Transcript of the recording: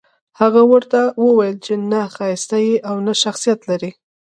هغه ورته وويل چې نه ښايسته يې او نه شخصيت لرې.